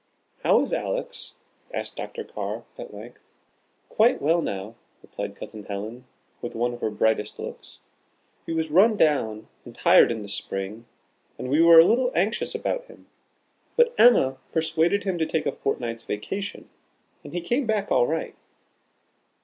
"How is Alex?" asked Dr. Carr, at length. "Quite well now," replied Cousin Helen, with one of her brightest looks. "He was run down and tired in the Spring, and we were a little anxious about him, but Emma persuaded him to take a fortnight's vacation, and he came back all right."